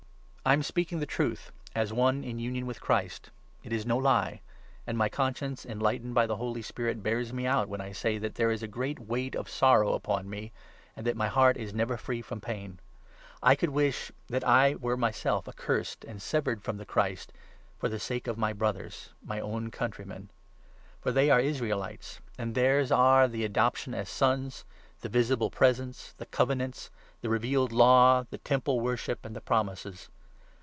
I am speaking: the truth as one in union i 9 The Apostle's .,_,. r j o Lament with Christ ; it is no he ; and my conscience, over Israel, enlightened by the Holy Spirit, bears me out when I say that there is a great weight of sorrow upon me, 2 and that my heart is never free from pain. I could wish that 3 I were myself accursed and severed from the Christ, for the sake of my Brothers— my own countrymen. For they are 4 Israelites, and theirs are the adoption as Sons, the visible Presence, the Covenants, the revealed Law, the Temple wor ship, and the Promises.